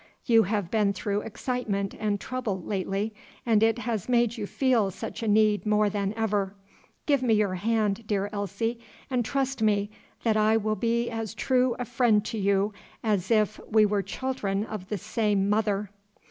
You have been through excitement and trouble lately, and it has made you feel such a need more than ever. Give me your hand, dear Elsie, and trust me that I will be as true a friend to you as if we were children of the same mother."